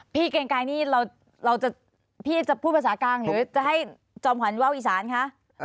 เกรงไกรนี่พี่จะพูดภาษากลางหรือจะให้จอมขวัญว่าวอีสานคะ